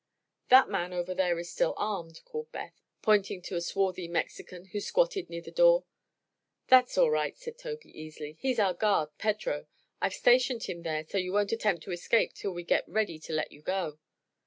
"That man over there is still armed," called Beth, pointing to a swarthy Mexican who squatted near the door. "That's all right," said Tobey, easily. "He's our guard, Pedro. I've stationed him there so you won't attempt to escape till we get ready to let you go."